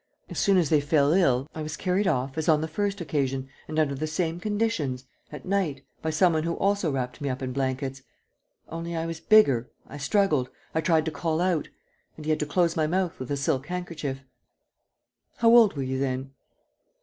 ... As soon as they fell ill, I was carried off as on the first occasion and under the same conditions, at night, by some one who also wrapped me up in blankets. ... Only, I was bigger, I struggled, I tried to call out ... and he had to close my mouth with a silk handkerchief." "How old were you then?"